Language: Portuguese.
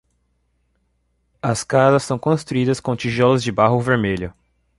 As casas são construídas com tijolos de barro vermelho.